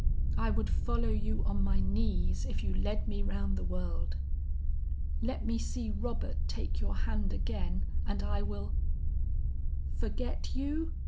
I would follow you on my knees, if you led me round the world. Let me see Robert take your hand again and I will ' "'Forget you!